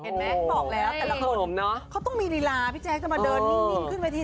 เห็นไหมบอกแล้วแต่ละคนเขาต้องมีลีลาพี่แจ๊คจะมาเดินนิ่งขึ้นเวที